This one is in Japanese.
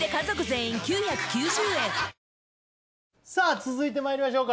続いてまいりましょうか！